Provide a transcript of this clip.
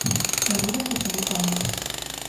Que a vida se someta a el.